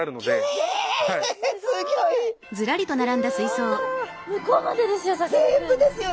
本当向こうまでですよ